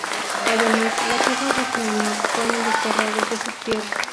Además los hijos de Fëanor fueron desterrados de sus tierras.